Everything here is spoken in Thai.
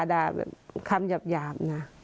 ด่าคำหยาบ